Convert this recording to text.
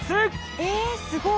えすごい！